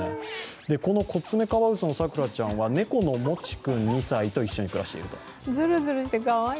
このコツメカワウソのさくらちゃんは猫のもち君２歳と一緒に暮らしていると。